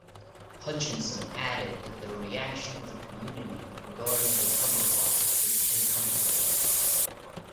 Hutchinson added that the reaction of the community regarding the cover art was "uncomfortable".